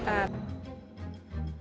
jadi saya tidak bisa mengedit